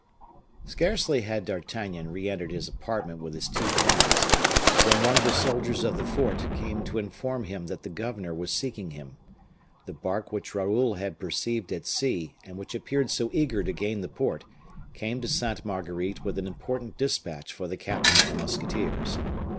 Scarcely had D'Artagnan re entered his apartment with his two friends, when one of the soldiers of the fort came to inform him that the governor was seeking him. The bark which Raoul had perceived at sea, and which appeared so eager to gain the port, came to Sainte Marguerite with an important dispatch for the captain of the musketeers.